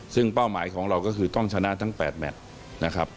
ซึ่งเป้าหมายของเราก็คือต้องชนะทั้ง๘แมทนะครับ